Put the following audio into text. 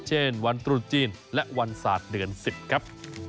เช่นวันตรุษจีนและวันศาสตร์เดือน๑๐ครับ